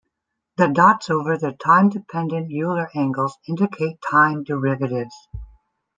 The dots over the time-dependent Euler angles indicate time derivatives.